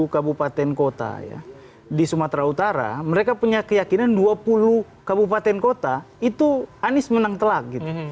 dua puluh kabupaten kota ya di sumatera utara mereka punya keyakinan dua puluh kabupaten kota itu anies menang telak gitu